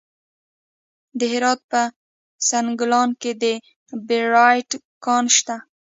د هرات په سنګلان کې د بیرایت کان شته.